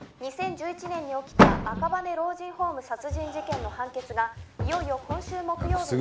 「２０１１年に起きた赤羽老人ホーム殺人事件の判決がいよいよ今週木曜日に」